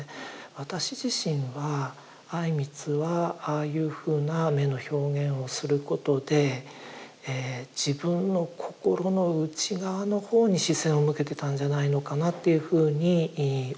私自身は靉光はああいうふうな眼の表現をすることで自分の心の内側の方に視線を向けてたんじゃないのかなっていうふうに思っています。